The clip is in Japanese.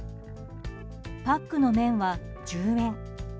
パックの麺は１０円。